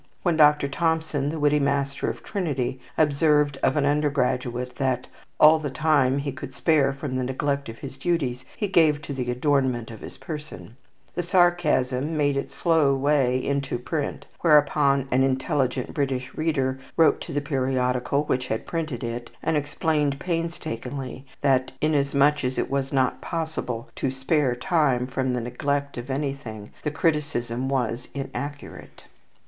When Dr. Thompson, the witty master of Trinity, observed of an undergraduate that "all the time he could spare from the neglect of his duties he gave to the adornment of his person," the sarcasm made its slow way into print; whereupon an intelligent British reader wrote to the periodical which had printed it, and explained painstakingly that, inasmuch as it was not possible to spare time from the neglect of anything, the criticism was inaccurate.